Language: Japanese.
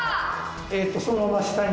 そのまま下に。